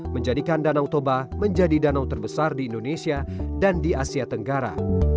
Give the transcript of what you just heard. menjadikan danau toba menjadi danau terbesar di indonesia dan di asia tenggara